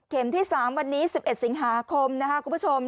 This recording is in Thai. ที่๓วันนี้๑๑สิงหาคมนะครับคุณผู้ชม